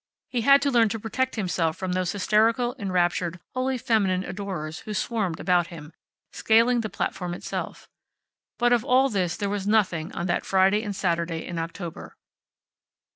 He had to learn to protect himself from those hysterical, enraptured, wholly feminine adorers who swarmed about him, scaling the platform itself. But of all this there was nothing on that Friday and Saturday in October.